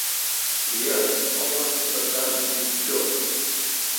یہ اما می پتا دریگ چو۔